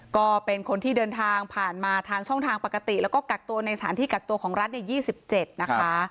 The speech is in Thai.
ก็เป็นคนที่เดินทางผ่านมาทางช่องทางปกติแล้วก็กักตัวในสถานที่กักตัวของรัฐใน๒๗นะคะ